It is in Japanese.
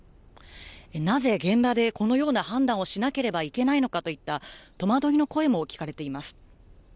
なぜ現場でこのような判断をしなければいけないのかといった、戸惑いの声も聞かれています。